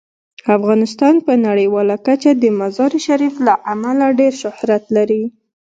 افغانستان په نړیواله کچه د مزارشریف له امله ډیر شهرت لري.